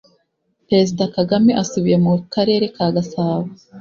Perezida Kagame asubiye mu Karere ka Gasabo